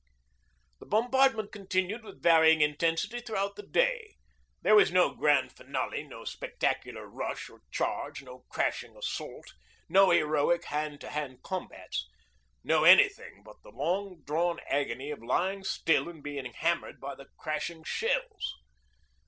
The bombardment continued with varying intensity throughout the day. There was no grand finale, no spectacular rush or charge, no crashing assault, no heroic hand to hand combats no anything but the long drawn agony of lying still and being hammered by the crashing shells.